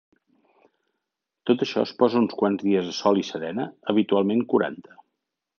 Tot això es posa uns quants dies a sol i serena, habitualment quaranta.